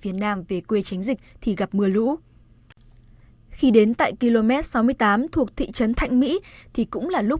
phía nam về quê tránh dịch thì gặp mưa lũ khi đến tại km sáu mươi tám thuộc thị trấn thạnh mỹ thì cũng là lúc